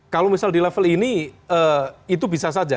kalau misal di level ini itu bisa saja